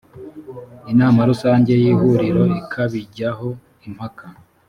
inama rusange y’ ihuriro ikabijyaho impaka.